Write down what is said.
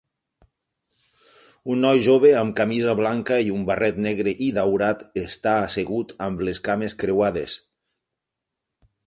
Un noi jove amb camisa blanca i un barret negre i daurat està assegut amb les cames creuades.